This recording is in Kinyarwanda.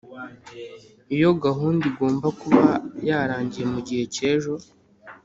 Iyo gahunda igomba kuba yarangiye mu gihe cyejo